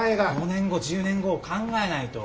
５年後１０年後を考えないと。